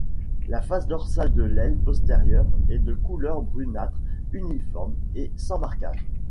La face dorsale de l'aile postérieure est de couleur brunâtre uniforme et sans marquage.